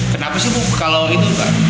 kenapa sih bu kalau itu mbak